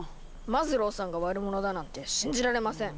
マズローさんが悪者だなんて信じられません。